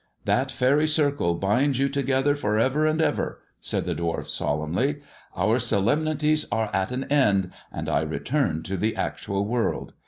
" That faery circle binds you together for ever and ever," said the dwarf solemnly. " Our solemnities are at an end, and I return to the actual world.